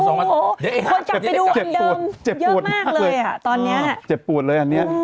คงจังไปดูอันเดิมเยอะมากเลยอ่ะ